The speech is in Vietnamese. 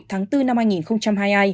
tháng bốn năm hai nghìn hai mươi hai